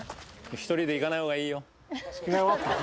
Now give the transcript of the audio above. １人で行かない方がいいよ。